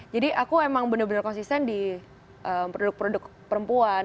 jadi aku emang bener bener konsisten di produk produk perempuan